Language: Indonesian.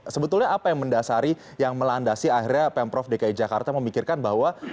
sebetulnya apa yang mendasari yang melandasi akhirnya pemprov dki jakarta memikirkan bahwa